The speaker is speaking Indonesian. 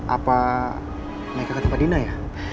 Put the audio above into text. apa mereka ketempat dina ya